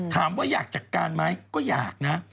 ถามว่าอยากจัดการไหมก็อยากนะ